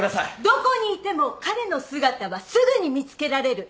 「どこにいても彼の姿はすぐに見つけられる」